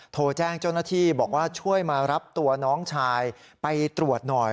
โทรแจ้งเจ้าหน้าที่บอกว่าช่วยมารับตัวน้องชายไปตรวจหน่อย